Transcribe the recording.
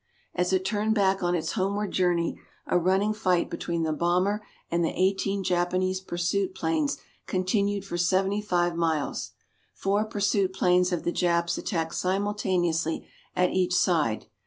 As it turned back on its homeward journey a running fight between the bomber and the eighteen Japanese pursuit planes continued for 75 miles. Four pursuit planes of the Japs attacked simultaneously at each side.